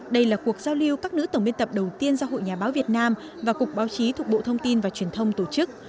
đây là cuộc giao lưu các nữ tổng biên tập đầu tiên do hội nhà báo việt nam và cục báo chí thuộc bộ thông tin và truyền thông tổ chức